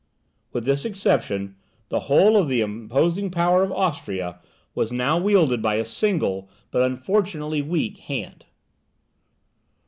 With this exception, the whole of the imposing power of Austria was now wielded by a single, but unfortunately weak hand.